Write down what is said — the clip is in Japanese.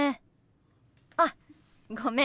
あごめん。